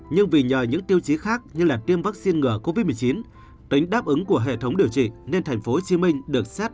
nhưng vì nhờ những tiêu chí khác như tiêm vaccine ngừa covid một mươi chín tính đáp ứng của hệ thống điều trị nên tp hcm được xét